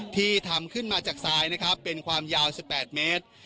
ที่ทำขึ้นมาจากทรายนะครับเป็นความยาว๑๘เมตร